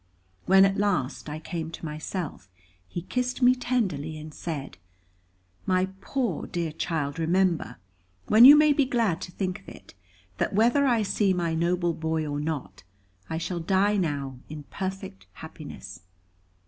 When at last I came to myself, he kissed me tenderly, and said: "My poor dear child, remember when you may be glad to think of it that whether I see my noble boy or not, I shall die now in perfect happiness.